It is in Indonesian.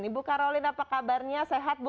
ibu karolin apa kabarnya sehat bu